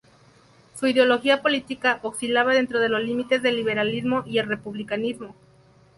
Su ideología política oscilaba dentro de los límites del liberalismo y el republicanismo.